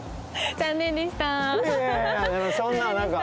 残念でした。